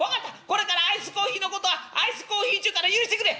これからアイスコーヒーのことはアイスコーヒーっちゅうから許してくれ。